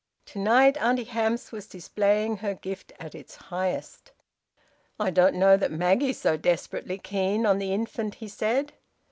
To night Auntie Hamps was displaying her gift at its highest. "I don't know that Maggie's so desperately keen on the infant!" he said.